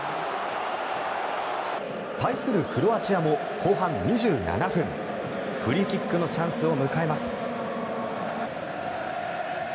対するクロアチアも後半２７分フリーキックのチャンスを迎えます。